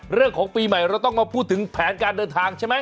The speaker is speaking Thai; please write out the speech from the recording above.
เรื่องของปีใหม่เราต้องมาพูดถึงแผนการเดินทางใช่ไหม